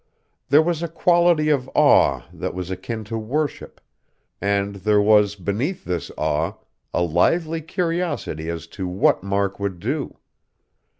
There was a quality of awe that was akin to worship; and there was, beneath this awe, a lively curiosity as to what Mark would do....